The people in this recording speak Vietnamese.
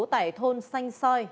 tại thôn xanh xoay